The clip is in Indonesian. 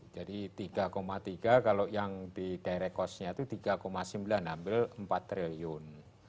jadi tiga tiga kalau yang di direct costnya itu tiga sembilan ambil rp empat triliun